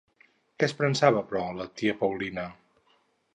Què en pensava, però, la tia Paulina?